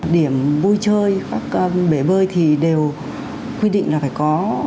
điểm vui chơi các bể bơi thì đều quy định là phải có